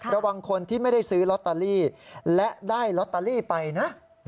ระวังคนที่ไม่ได้ซื้อลอตเตอรี่และได้ลอตเตอรี่ไปนะ